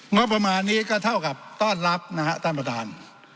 งบประมาณนี้ก็เท่ากับต้อนรับต้นประดาน